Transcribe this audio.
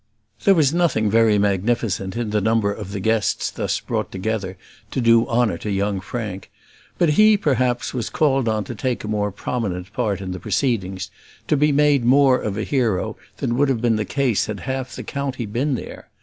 There was nothing very magnificent in the number of the guests thus brought together to do honour to young Frank; but he, perhaps, was called on to take a more prominent part in the proceedings, to be made more of a hero than would have been the case had half the county been there.